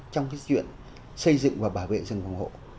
trong cái chuyện xây dựng và bảo vệ rừng phòng hộ